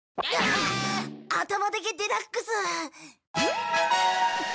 頭だけデラックス。